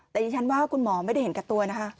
แต่ดิฉันว่าคุณหมอไม่ได้เห็นแก่ตัวนะคะ